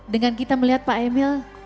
dengan kita melihat pak emil